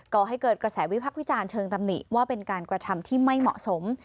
ก่อให้เกิดกระแสวิพักษ์วิจารณ์เชิงตำหนิว่าเป็นการกระทำที่ไม่เหมาะสม